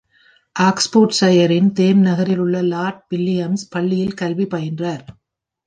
ஆக்ஸ்போர்டுஷையரின் Thame நகரில் உள்ள Lord Williams பள்ளியில் கல்வி பயின்றார்.